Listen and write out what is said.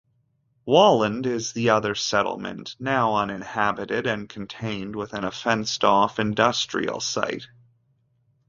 Wallend is the other settlement, now uninhabited and contained within a fenced-off industrial site.